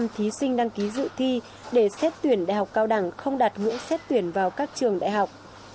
hai mươi bảy thí sinh đăng ký dự thi để xét tuyển đại học cao đẳng không đặt ngữ xét tuyển vào các trường đại học